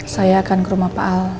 saya akan ke rumah pak al